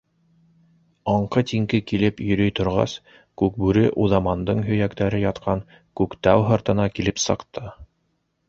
Аңҡы-тиңке килеп йөрөй торғас, Күкбүре Уҙамандың һөйәктәре ятҡан Күктау һыртына килеп сыҡты.